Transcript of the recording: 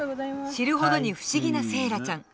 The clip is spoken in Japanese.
知るほどに不思議なセーラちゃん。